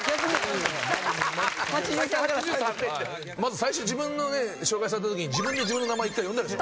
まず最初自分のね紹介された時に自分で自分の名前一回呼んだでしょ。